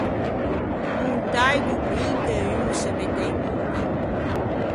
Contâ i boccoin che un o se mette in bocca.